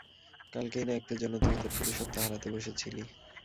কালকেই না একটুর জন্য তুই তোর পুরুষত্ব হারাতে বসেছিলি?